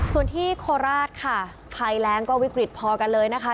ส่วนที่โคราชค่ะภัยแรงก็วิกฤตพอกันเลยนะคะ